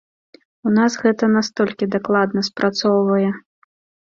У нас гэта настолькі дакладна спрацоўвае.